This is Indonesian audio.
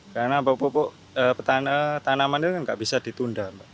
karena pupuk tanaman itu kan nggak bisa ditunda